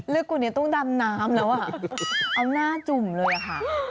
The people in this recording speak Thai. ลึกกูยังต้องดำนั้มแล้วเอาหน้าจุ่มเลยค่ะ